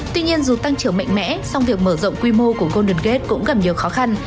tuy nhiên dù tăng trưởng mạnh mẽ song việc mở rộng quy mô của golden gate cũng gặp nhiều khó khăn